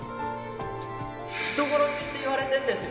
人殺しっていわれてんですよ